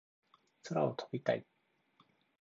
空を飛びたい